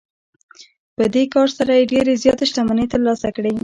په دې کار سره یې ډېرې زیاتې شتمنۍ ترلاسه کړې